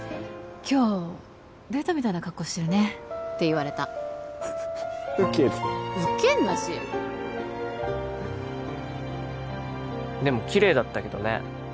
今日デートみたいな格好してるねて言われたウケるウケんなしでもきれいだったけどね